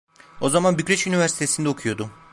O zaman Bükreş Üniversitesinde okuyordum.